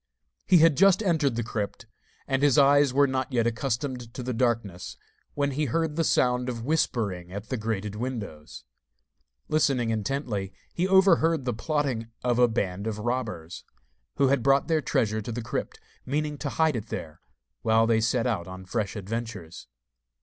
He had just entered the crypt, and his eyes were not yet accustomed to the darkness, when he heard the sound of whispering at the grated windows. Listening intently, he overheard the plotting of a band of robbers, who had brought their treasure to the crypt, meaning to hide it there, while they set out on fresh adventures.